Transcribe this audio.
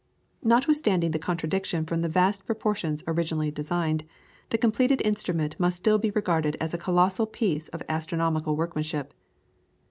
Notwithstanding the contraction from the vast proportions originally designed, the completed instrument must still be regarded as a colossal piece of astronomical workmanship.